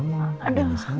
ini salah salah